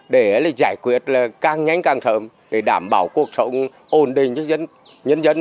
để giải quyết là càng nhanh càng sớm để đảm bảo cuộc sống ổn định cho nhân dân